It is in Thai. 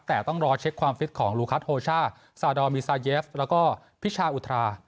แต่ต้องรอเช็คความฟิตของลูคัตโฮช่าซาดอลมีซาเยฟแล้วก็พิชาอุทรา